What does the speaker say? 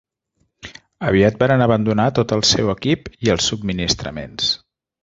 Aviat varen abandonar tot el seu equip i els subministraments.